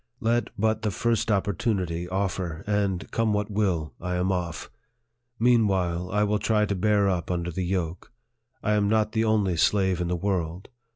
Let but the first op portunity offer, and, come what will, I am off. Mean while, I will try to bear up under the yoke. I am not the only slave in the world.